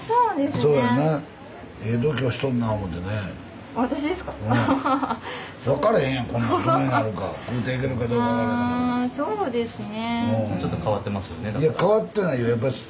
そうですね。